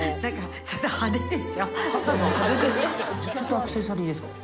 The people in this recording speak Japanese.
アクセサリーですか？